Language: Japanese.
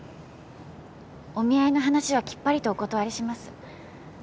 お見合いの話はきっぱりとお断りします。